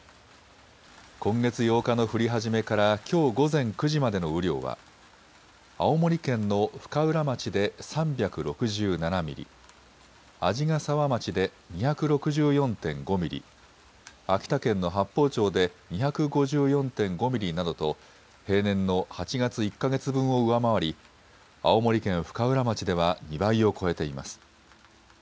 今月８日の降り始めからきょう午前９時までの雨量は青森県の深浦町で３６７ミリ、鰺ヶ沢町で２６４．５ミリ、秋田県の八峰町で２５４．５ミリなどと平年の８月１か月分を上回り青森県深浦町では２倍を超えています。